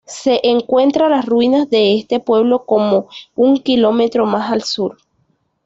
Se encuentra las ruinas de este pueblo como un kilómetro más al Sur.